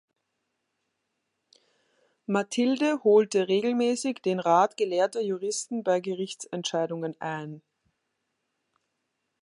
Mathilde holte regelmäßig den Rat gelehrter Juristen bei Gerichtsentscheidungen ein.